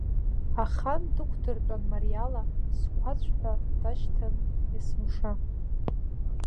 Ахан дықәдыртәан мариала, сқәацә ҳәа дашьҭан есымша.